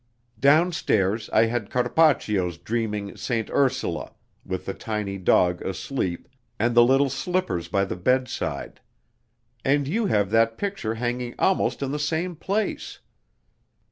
"Downstairs I had Carpaccio's dreaming St. Ursula, with the tiny dog asleep, and the little slippers by the bedside. And you have that picture hanging almost in the same place!